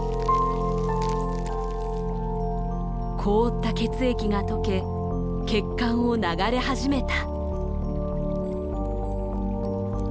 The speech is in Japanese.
凍った血液がとけ血管を流れ始めた。